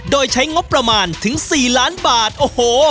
โดยใช้งบประมาณถึง๔ล้านบาทโอ้โห